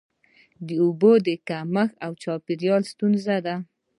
د اوبو کمښت او چاپیریال ستونزې دي.